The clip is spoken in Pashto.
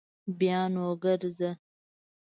بیا نو ګرځه